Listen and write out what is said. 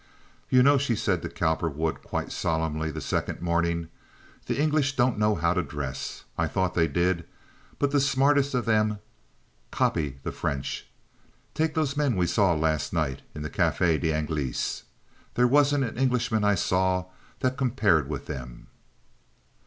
"You know," she said to Cowperwood, quite solemnly, the second morning, "the English don't know how to dress. I thought they did, but the smartest of them copy the French. Take those men we saw last night in the Cafe d'Anglais. There wasn't an Englishman I saw that compared with them."